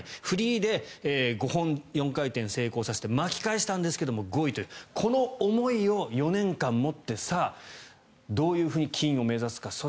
フリーで５本、４回転成功させて巻き返したんですが５位というこの思いを４年間持ってさあ、どういうふうに金を目指すか。